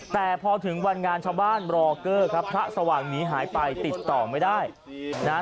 แต่พอถึงวันชาวบ้านมาปรากฏพระสว่างหายไปติดต่อไว้ไม่ได้